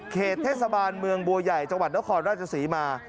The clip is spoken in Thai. เขตเทศบาลเมืองบัวใหญ่จังหวัดแล้วขอร์ดราชสีมา